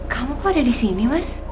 kamu kok ada di sini mas